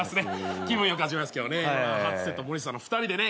気分良く始めますけどね初瀬と森下の２人でね。